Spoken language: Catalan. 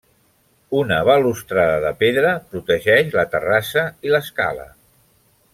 Una balustrada de pedra protegeix la terrassa i l'escala.